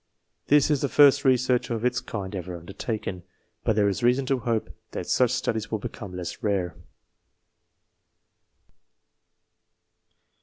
This is the first research of its land ever undertaken, but there is reason to hope that such studies will become less rare.